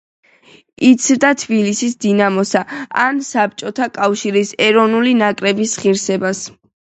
იცავდა თბილისის „დინამოსა“ და საბჭოთა კავშირის ეროვნული ნაკრების ღირსებას.